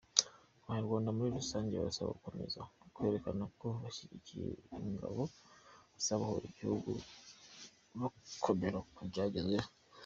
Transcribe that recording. Abanyarwanda muri rusange barasabwa gukomeza kwerekana ko bashyigikiye ingabo zabohoye igihugu bakomera ku byagezweho.